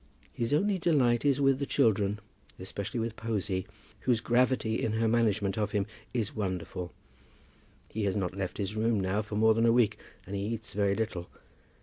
His only delight is with the children, especially with Posy, whose gravity in her management of him is wonderful. He has not left his room now for more than a week, and he eats very little.